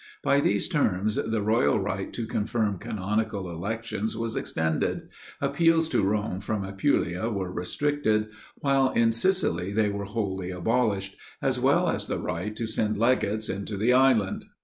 By these terms, the royal right to confirm canonical elections, was extended; appeals to Rome, from Apulia were restricted; while in Sicily, they were wholly abolished, as well as the right to send legates into the island.